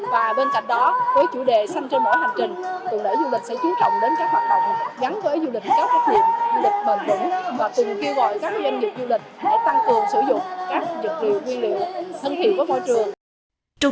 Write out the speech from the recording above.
và bên cạnh đó với chủ đề xanh trên mũi hành trình tuần lễ du lịch sẽ chú trọng đến các hoạt động gắn với du lịch cao trách nhiệm du lịch bền vững và từng kêu gọi các doanh nghiệp du lịch để tăng cường sử dụng các dịch liệu nguyên liệu thân thiện với môi trường